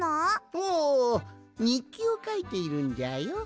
おおにっきをかいているんじゃよ。